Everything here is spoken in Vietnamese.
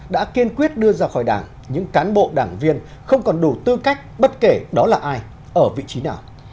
đã kiên quyết đưa ra khỏi đảng những cán bộ đảng viên không còn đủ tư cách bất kể đó là ai ở vị trí nào